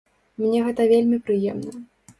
Мне гэта вельмі прыемна.